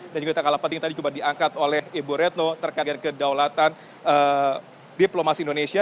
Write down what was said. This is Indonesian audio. dan juga tanggal apat ini tadi juga diangkat oleh ibu renno terkait dengan kedaulatan diplomasi indonesia